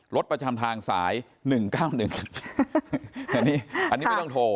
รถประจำทางสายหนึ่งเก้าหนึ่งอันนี้อันนี้ไม่ต้องโทร